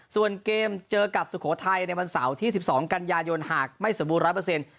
ส่วนเกมเจอกับสุโขทัยในวันเสาร์ที่๑๒กันยายนหากไม่สมบูรร้อยเปอร์เซ็นต์